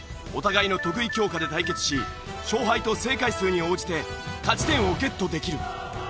お互いの得意教科で対決し勝敗と正解数に応じて勝ち点をゲットできる。